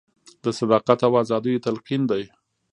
د صداقت او ازادیو تلقین دی.